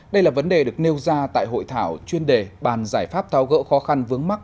đây là vấn đề được nêu ra tại hội thảo chuyên đề bàn giải pháp thao gỡ khó khăn vướng mắt